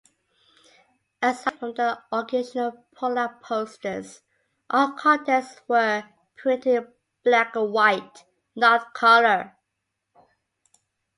Aside from the occasional pull-out posters, all contents were printed in black-and-white, not colour.